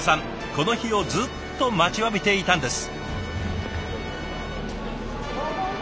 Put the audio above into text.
この日をずっと待ちわびていたんです。